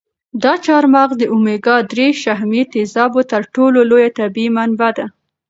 دا چهارمغز د اومیګا درې شحمي تېزابو تر ټولو لویه طبیعي منبع ده.